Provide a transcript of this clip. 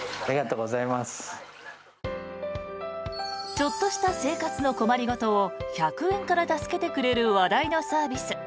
ちょっとした生活の困り事を１００円から助けてくれる話題のサービス